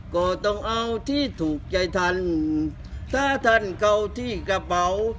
ก็ต้องเอาที่ถูกใจท่านถ้าท่านเก่าที่กระเป๋า